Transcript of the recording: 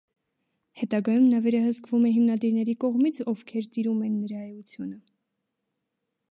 Հետագայում նա վերահսկվում է հիմնադիրների կողմից, ովքեր տիրում են նրա էությանը։